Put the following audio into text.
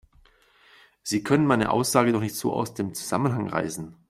Sie können meine Aussage doch nicht so aus dem Zusammenhang reißen!